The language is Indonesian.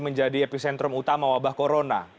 menjadi epicentrum utama wabah corona